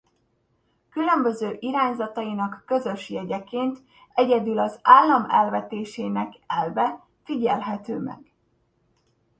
Különböző irányzatainak közös jegyeként egyedül az állam elvetésének elve figyelhető meg.